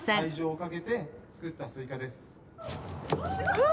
うわ！